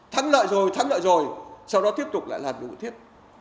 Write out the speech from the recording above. thắng lợi rồi thắng lợi rồi sau đó tiếp tục lại làm những việc thiết